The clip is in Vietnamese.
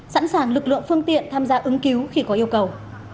sẵn sàng lực lượng phương tiện tham gia ứng cứu khi có yêu cầu